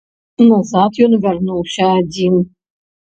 Назад ён вярнуўся адзін.